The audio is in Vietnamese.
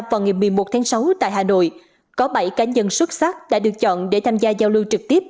vào ngày một mươi một tháng sáu tại hà nội có bảy cá nhân xuất sắc đã được chọn để tham gia giao lưu trực tiếp